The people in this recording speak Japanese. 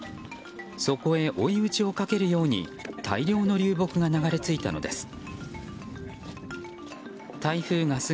そこへ、追い打ちをかけるように大量の流木が流れ着いたのです。